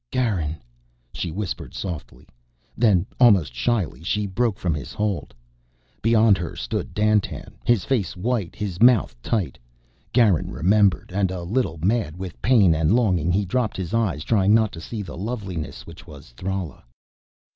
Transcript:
"Garin!" she whispered softly. Then, almost shyly, she broke from his hold. Beyond her stood Dandtan, his face white, his mouth tight. Garin remembered. And, a little mad with pain and longing, he dropped his eyes, trying not to see the loveliness which was Thrala.